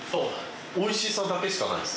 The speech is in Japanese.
美味しさだけしかないです。